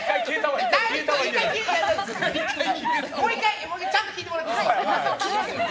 もう１回ちゃんと聞いてもらっていいですか。